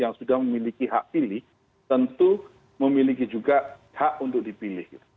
yang sudah memiliki hak pilih tentu memiliki juga hak untuk dipilih